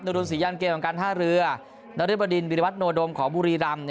รุนศรียันเกมของการท่าเรือนริบดินวิรวัตโนโดมของบุรีรำ